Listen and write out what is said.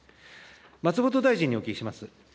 松本大臣にお聞きします。